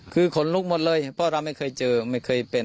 คือขนลุกหมดเลยเพราะเราไม่เคยเจอไม่เคยเป็น